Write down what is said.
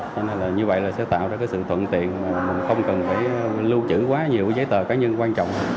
cho nên là như vậy là sẽ tạo ra cái sự thuận tiện mà mình không cần phải lưu trữ quá nhiều cái giấy tờ cá nhân quan trọng